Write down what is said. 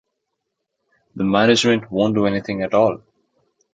The management won’t do anything at all.